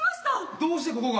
どうしてここが？